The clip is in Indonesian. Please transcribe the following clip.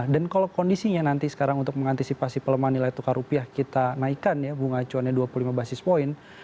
dan kalau kondisinya nanti sekarang untuk mengantisipasi pelemahan nilai tukar rupiah kita naikkan bunga acuannya dua puluh lima basis point